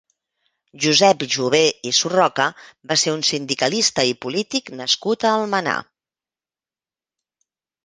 Josep Jové i Surroca va ser un sindicalista i polític nascut a Almenar.